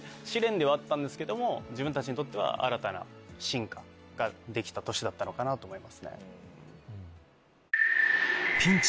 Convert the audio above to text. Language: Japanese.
試練ではあったんですけども自分たちにとっては新たな進化ができた年だったのかなと思いますね。